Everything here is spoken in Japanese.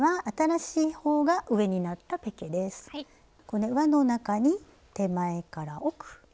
これ輪の中に手前から奥。